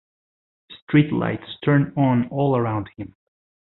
Street lights turn on all around him.